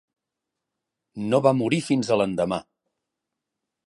No va morir fins a l'endemà.